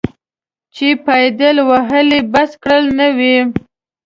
چې پایدل وهل یې بس کړي نه وي.